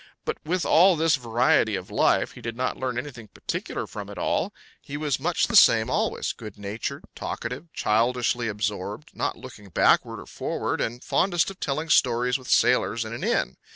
But with all this variety of life he did not learn anything particular from it all; he was much the same always, good natured, talkative, childishly absorbed, not looking backward or forward, and fondest of telling stories with sailors in an inn.